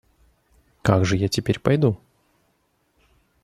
Как же я теперь пойду?